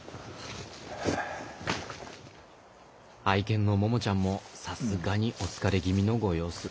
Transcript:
愛犬のモモちゃんもさすがにお疲れ気味のご様子。